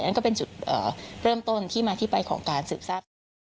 นั่นก็เป็นจุดเริ่มต้นที่มาที่ไปของการสืบทราบข่าว